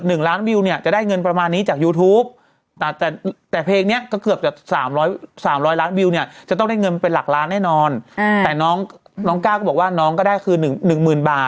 หลังที่พระครูกิติพัฒระธรรมรงค์นะครับ